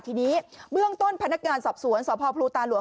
ทีนี้เบื้องต้นพนักงานสอบสวนสพพลูตาหลวง